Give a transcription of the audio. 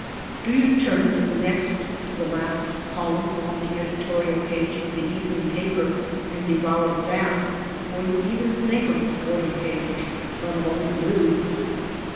Do you turn to the next to the last column on the editorial page of the evening paper and devour that before you even think of the sporting page, let alone the news?